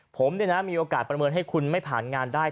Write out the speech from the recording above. ผมมีโอกาสประเมินให้คุณไม่ผ่านงานได้